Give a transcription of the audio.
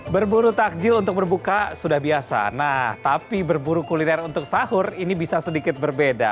berburu takjil untuk berbuka sudah biasa nah tapi berburu kuliner untuk sahur ini bisa sedikit berbeda